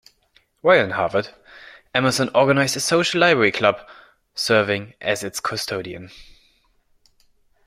While in Harvard, Emerson organized a social library club, serving as its custodian.